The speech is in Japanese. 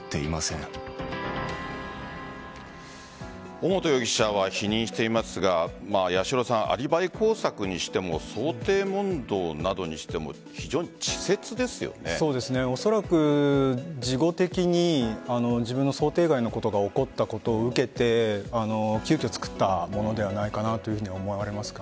尾本容疑者は否認していますがアリバイ工作にしても想定問答などにしてもおそらく事後的に自分の想定外のことが起こったことを受けて急きょ作ったものではないかなと思われます。